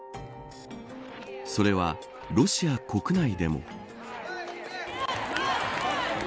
それはロシア国内でも。